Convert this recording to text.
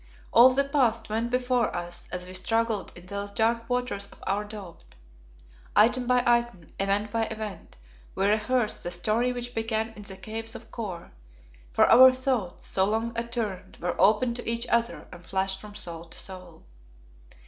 All the past went before us as we struggled in those dark waters of our doubt. Item by item, event by event, we rehearsed the story which began in the Caves of Kôr, for our thoughts, so long attuned, were open to each other and flashed from soul to soul.